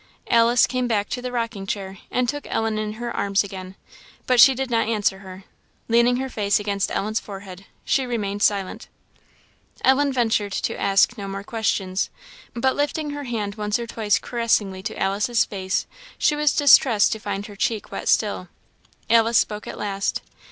Alice came back to the rocking chair, and took Ellen in her arms again; but she did not answer her. Leaning her face against Ellen's forehead, she remained silent. Ellen ventured to ask no more questions; but lifting her hand once or twice caressingly to Alice's face, she was distressed to find her cheek wet still. Alice spoke at last.